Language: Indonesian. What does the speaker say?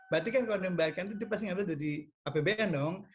berarti kan kalau dia membayarkan itu dia pasti harus dari apbn dong